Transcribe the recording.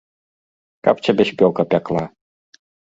Каб цябе спёка пякла!